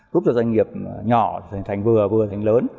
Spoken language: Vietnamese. giúp cho doanh nghiệp nhỏ hình thành vừa vừa thành lớn